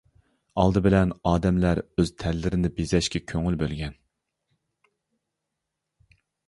ئالدى بىلەن ئادەملەر ئۆز تەنلىرىنى بېزەشكە كۆڭۈل بۆلگەن.